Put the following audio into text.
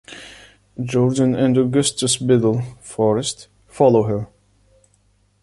Jordan and Augustus Biddle (Forrest) follow her.